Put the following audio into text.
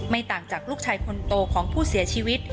ต่างจากลูกชายคนโตของผู้เสียชีวิต